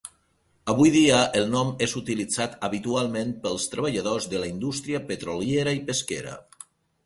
Avui dia el nom és utilitzat habitualment pels treballadors de la indústria petroliera i pesquera.